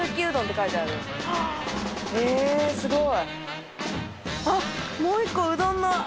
えすごい。